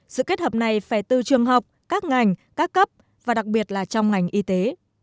sự kết hợp này phải từ trường học các ngành các cấp và đặc biệt là trong ngành y tế